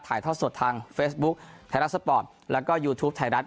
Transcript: ทอดสดทางเฟซบุ๊คไทยรัฐสปอร์ตแล้วก็ยูทูปไทยรัฐ